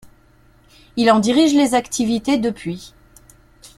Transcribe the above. Il en dirige les activités depuis.